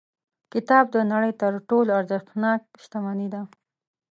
کتاب د نړۍ تر ټولو ارزښتناک شتمنۍ ده.